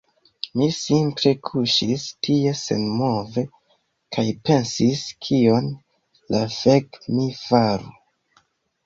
Mi simple kuŝis tie senmove kaj pensis kion la fek' mi faru